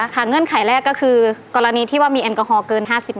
ค่ะเงื่อนไขแรกก็คือกรณีที่ว่ามีแอลกอฮอล์เกิน๕๐มิลลิกรัม